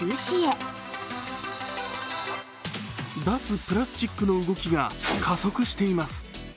脱プラスチックの動きが加速しています。